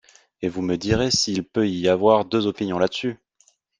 et vous me direz s’il peut y avoir deux opinions là-dessus !